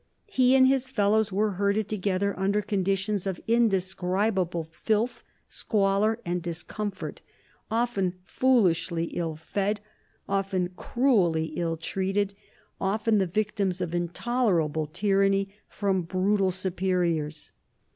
He and his fellows were herded together under conditions of indescribable filth, squalor, and discomfort, often foolishly ill fed, often cruelly ill treated, often the victims of intolerable tyranny from brutal superiors.